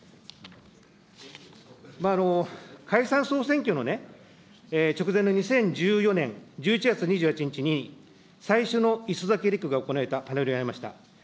解散・総選挙の直前の２０１４年１１月２８日に、最初の礒崎レクが行われた、パネルにありました。